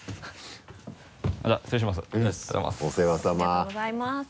ありがとうございます。